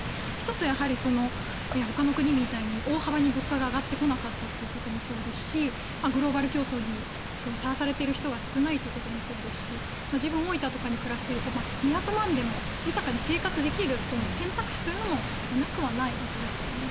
１つ、ほかの国みたいに大幅に物価が上がってこなかったということもそうですしグローバル競争にさらされている人が少ないというのもありますし自分、大分に暮らしていますが２００万でも豊かに生活できる選択肢というのもなくはないわけですよね。